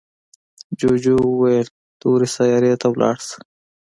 جوجو وویل تورې سیارې ته لاړ شه.